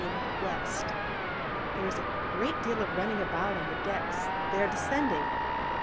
There is a great deal of running about on the decks they are descending.